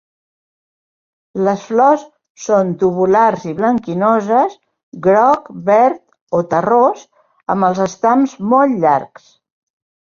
Les flors són tubulars i blanquinoses, groc, verd, o terrós, amb els estams molt llargs.